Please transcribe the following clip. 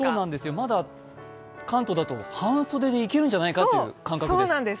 まだ関東だと半袖でいけるんじゃないかという感覚です。